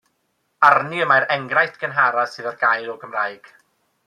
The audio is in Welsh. Arni y mae'r enghraifft gynharaf sydd ar gael o Gymraeg.